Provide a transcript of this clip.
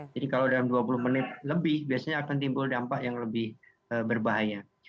jadi kalau dalam dua puluh menit lebih biasanya akan timbul dampak yang lebih berbahaya